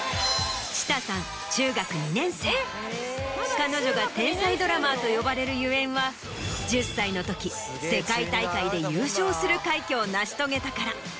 彼女が天才ドラマーと呼ばれるゆえんは１０歳の時世界大会で優勝する快挙を成し遂げたから。